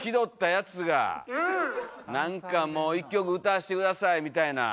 何かもう１曲歌わして下さいみたいな。